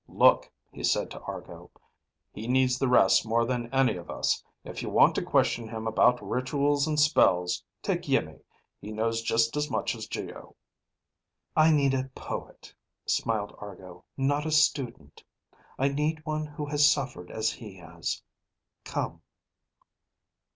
"Look," he said to Argo, "he needs the rest more than any of us. If you want to question him about rituals and spells, take Iimmi. He knows just as much as Geo." "I need a poet," smiled Argo, "not a student. I need one who has suffered as he has. Come."